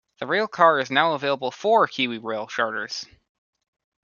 The railcar is now available for KiwiRail charters.